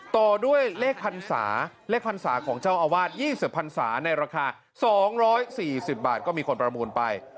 ต่อด้วยเลขพันศาเลขพรรษาของเจ้าอาวาส๒๐พันศาในราคา๒๔๐บาทก็มีคนประมูลไป